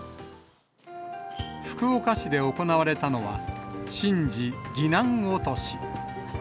福岡市で行われたのは、神事、ぎなん落とし。